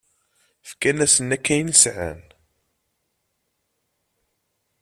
Fkan-asen akk ayen sɛan.